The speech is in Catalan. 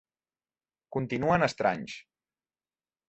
Continuen estranys.